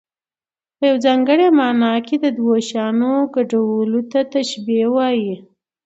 په یوه ځانګړې مانا کې د دوو څيزونو ګډون ته تشبېه وايي.